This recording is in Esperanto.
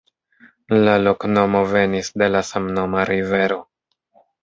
La loknomo venis de la samnoma rivero.